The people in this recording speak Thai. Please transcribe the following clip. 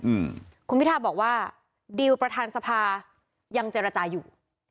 อืมคุณพิทาบอกว่าดิวประธานสภายังเจรจาอยู่